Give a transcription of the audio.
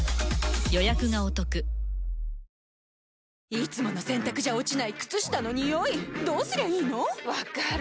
いつもの洗たくじゃ落ちない靴下のニオイどうすりゃいいの⁉分かる。